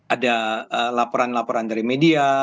ada laporan laporan dari media